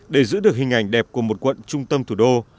để giữ được hình ảnh đẹp của một quận trung tâm thủ đô